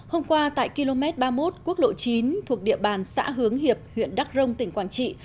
hôm qua tại km ba mươi một quốc lộ chín thuộc địa bàn xã hướng hiệp huyện đắk rông tỉnh quảng trị